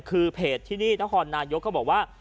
คือเพจที่นี่นครนายกก็บอกว่า